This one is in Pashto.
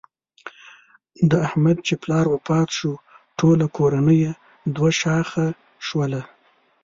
د احمد چې پلار وفات شو ټوله کورنۍ یې دوه شاخه شوله.